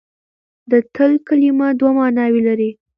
د تل کلمه دوه ماناوې لري.